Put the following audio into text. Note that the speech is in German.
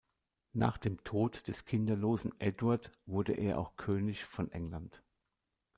Nach dem Tod des kinderlosen Eduard wurde er auch König von England.